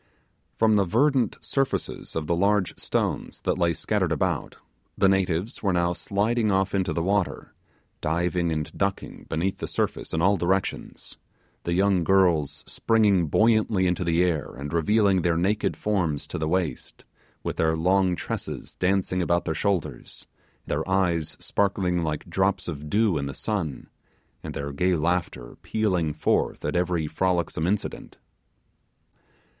From the verdant surfaces of the large stones that lay scattered about, the natives were now sliding off into the water, diving and ducking beneath the surface in all directions the young girls springing buoyantly into the air, and revealing their naked forms to the waist, with their long tresses dancing about their shoulders, their eyes sparkling like drops of dew in the sun, and their gay laughter pealing forth at every frolicsome incident.